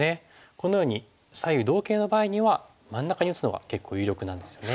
このように左右同形の場合には真ん中に打つのが結構有力なんですよね。